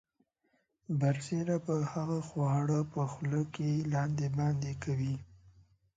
برسیره پر هغه خواړه په خولې کې لاندې باندې کوي.